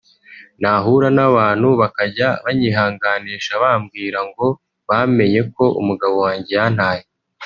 nahura n’abantu bakajya banyihanganisha bambwira ngo bamenye ko umugabo wanjye yantaye …”